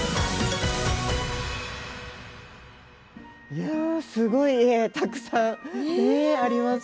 いやすごいいい絵たくさんありますけど。